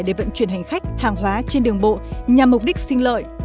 để vận chuyển hành khách hàng hóa trên đường bộ nhằm mục đích sinh lợi